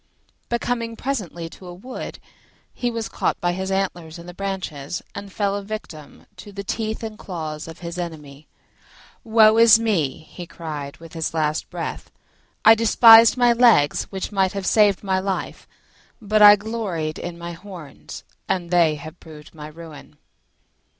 But coming presently to a wood, he was caught by his antlers in the branches, and fell a victim to the teeth and claws of his enemy. "Woe is me!" he cried with his last breath; "I despised my legs, which might have saved my life: but I gloried in my horns, and they have proved my ruin."